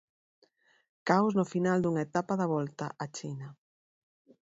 Caos no final dunha etapa da Volta á China.